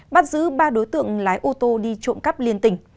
bắt giữ ba đối tượng lái ô tô đi trộm cắp liên tỉnh